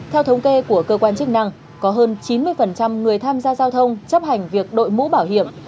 theo thống kê của cơ quan chức năng có hơn chín mươi người tham gia giao thông chấp hành việc đội mũ bảo hiểm